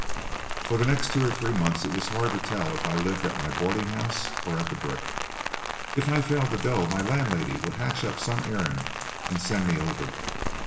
"For the next two or three months it was hard to tell if I lived at my boarding house or at the brick. If I failed to go, my landlady would hatch up some errand and send me over.